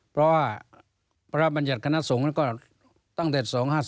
เพราะว่าพระราชบัญญัติคณะสงฆ์ก็ตั้งแต่๒๕๔